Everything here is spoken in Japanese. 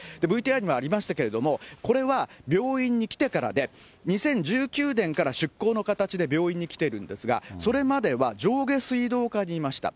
ＶＴＲにもありましたけれども、これは病院に来てからで、２０１９年から出向の形で病院に来てるんですが、それまでは上下水道課にいました。